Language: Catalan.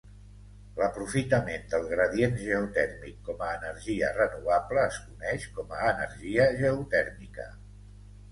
L'aprofitament del gradient geotèrmic com a energia renovable es coneix com a energia geotèrmica.